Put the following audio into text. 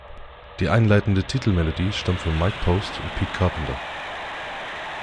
Die einleitende Titelmelodie stammt von Mike Post und Pete Carpenter.